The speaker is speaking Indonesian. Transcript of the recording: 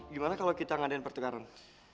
gimana kalau kita ngadain pertukaran